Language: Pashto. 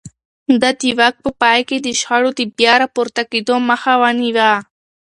ده د واک په پای کې د شخړو د بيا راپورته کېدو مخه ونيوه.